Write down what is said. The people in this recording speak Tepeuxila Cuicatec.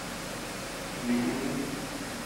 Neʼe dí.